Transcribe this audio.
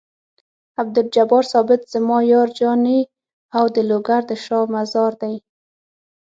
عبدالجبار ثابت زما یار جاني او د لوګر د شاه مزار دی.